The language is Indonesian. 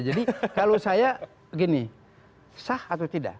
jadi kalau saya begini sah atau tidak